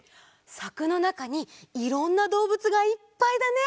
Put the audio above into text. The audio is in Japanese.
さくのなかにいろんなどうぶつがいっぱいだね！